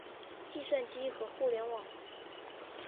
计算机和互联网